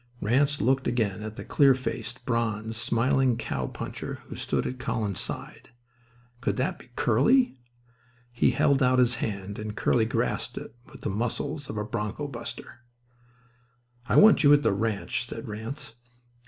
Ranse looked again at the clear faced, bronzed, smiling cowpuncher who stood at Collins's side. Could that be Curly? He held out his hand, and Curly grasped it with the muscles of a bronco buster. "I want you at the ranch," said Ranse.